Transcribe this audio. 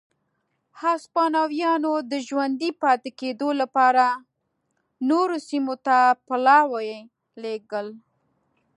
هسپانویانو د ژوندي پاتې کېدو لپاره نورو سیمو ته پلاوي لېږل.